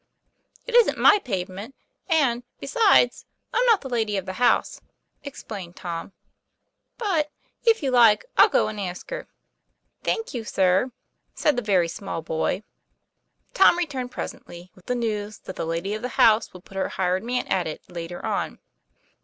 'It isn't my pavement; and, besides, I'm not the lady of the house," explained Tom. "But, if you like, I'll go and ask her." 'Thank you, sir," said the very small boy. Tom returned presently, with the news that the lady of the house would put her hired man at it, later on.